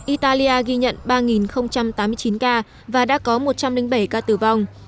italia ghi nhận ba tám mươi chín ca và đã có một trăm linh bảy ca tử vong